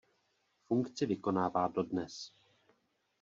Funkci vykonává dodnes.